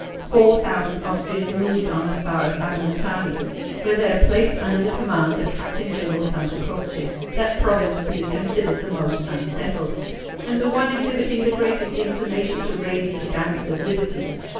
Four thousand Austrians moved on as far as Abrantani, where they are placed under the command of Captain General Santa Croce, that province being considered the most unsettled, and the one exhibiting the greatest inclination to raise the standard of liberty.